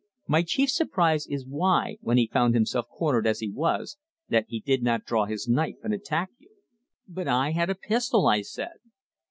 My chief surprise is why, when he found himself cornered as he was, that he did not draw his knife and attack you." "But I had a pistol!" I said.